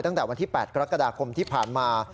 ตั้งแต่วันที่๘กรกฎาคมที่ผ่านมา